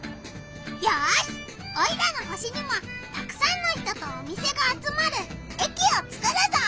オイラの星にもたくさんの人とお店が集まる駅をつくるぞ！